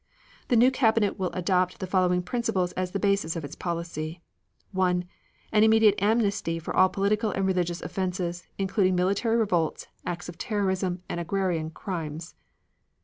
The new cabinet will adopt the following principles as the basis of its policy: 1. An immediate amnesty for all political and religious offenses, including military revolts, acts of terrorism, and agrarian crimes.